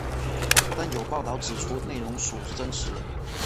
但有报导指出内容属真实。